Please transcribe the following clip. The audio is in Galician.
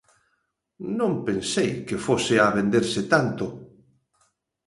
Non pensei que fose a venderse tanto.